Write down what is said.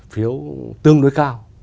phiếu tương đối cao